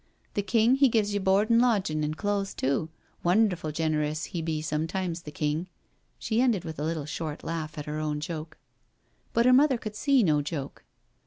The King, he gives you board an' lodgin' an' clothes too — ^wonderful generous he be sometimes, the King." She ended with a little short laugh at her own joke. But her mother could see no joke.